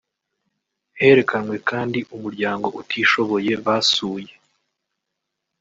Herekanwe kandi umuryango utishoboye basuye